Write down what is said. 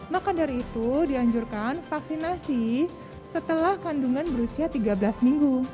maka dari itu dianjurkan vaksinasi setelah kandungan berusia tiga belas minggu